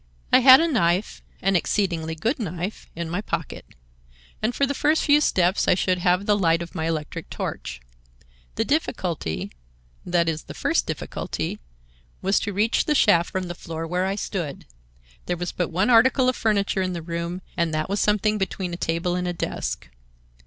"I had a knife, an exceedingly good knife, in my pocket—and for the first few steps I should have the light of my electric torch. The difficulty (that is, the first difficulty) was to reach the shaft from the floor where I stood. There was but one article of furniture in the room, and that was something between a table and a desk.